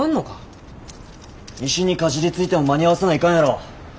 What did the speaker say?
石にかじりついても間に合わせないかんやろ。